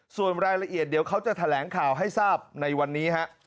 ส่วนรายละเอียดเดี๋ยวเขาจะแถลงข่าวให้ทราบในวันนี้ฮะ